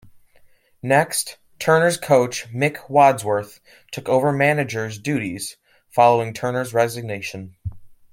Next, Turner's coach Mick Wadsworth took over manager's duties following Turner's resignation.